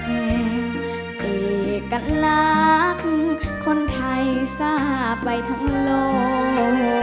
ดีกันรักคนไทยซ่าไปทั้งโลก